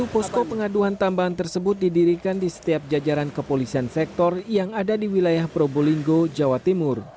dua puluh posko pengaduan tambahan tersebut didirikan di setiap jajaran kepolisian sektor yang ada di wilayah probolinggo jawa timur